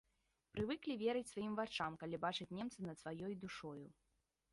Прывыклі верыць сваім вачам, калі бачаць немца над сваёй душою.